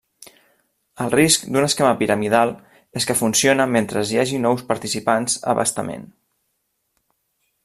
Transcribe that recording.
El risc d'un esquema piramidal és que funciona mentre hi hagi nous participants a bastament.